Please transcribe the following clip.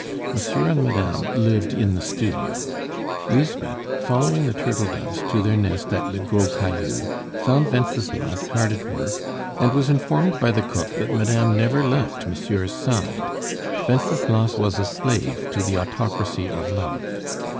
Monsieur and madame lived in the studio. Lisbeth, following the turtle doves to their nest at le Gros Caillou, found Wenceslas hard at work, and was informed by the cook that madame never left monsieur's side. Wenceslas was a slave to the autocracy of love.